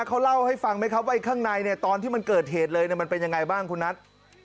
เขาเล่าให้ฟังไหมครับว่าข้างในเนี่ยตอนที่มันเกิดเหตุเลยมันเป็นยังไงบ้างคุณนัท